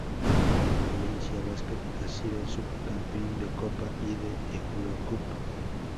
Con Valencia Basket ha sido subcampeón de copa y de Eurocup.